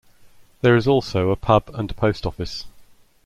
There is also a pub and a post office.